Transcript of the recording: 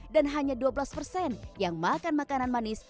dan hanya dua belas yang makan makanan manis